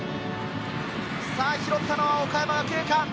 拾ったのは岡山学芸館。